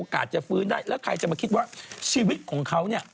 ก็บอก